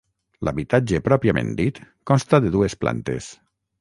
L'habitatge pròpiament dit consta de dues plantes.